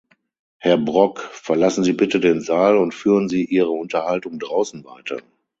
Herr Brok, verlassen Sie bitte den Saal und führen Sie Ihre Unterhaltung draußen weiter.